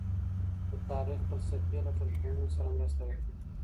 د تاريخ فلسفې له ټولنپوهنې سره مرسته وکړه.